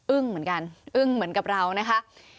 เหมือนกันอึ้งเหมือนกับเรานะคะ